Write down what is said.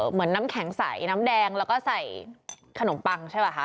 เหมือนน้ำแข็งใสน้ำแดงแล้วก็ใส่ขนมปังใช่ป่ะคะ